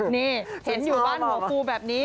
นี่เห็นอยู่บ้านหัวปูแบบนี้